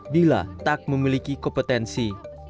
bila tak memiliki kompetensi